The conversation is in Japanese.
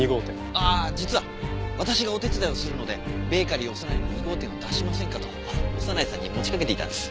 ああ実は私がお手伝いをするのでベーカリーオサナイの２号店を出しませんかと長内さんに持ちかけていたんです。